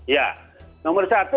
ya nomor satu